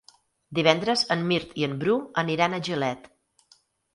Divendres en Mirt i en Bru aniran a Gilet.